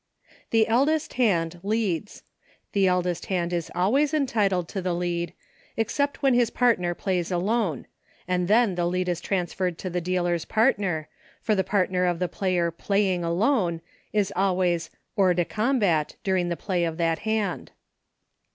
The eldest hand leads. The eldest hand is always entitled to the lead, except when his partner Plays Alone, and then the lead is trans ferred to the dealer's partner, for the partner of the player playing alone is always hors de combat during the play of that hand.